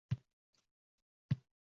Bu borada ikkita nuqtai nazar mavjud.